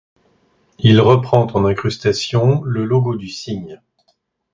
Il reprend en incrustation le logo du cygne.